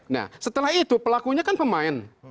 nah setelah itu pelakunya kan pemain